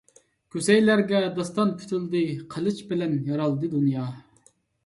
كۈسەيلەرگە داستان پۈتۈلدى، قىلىچ بىلەن يارالدى دۇنيا.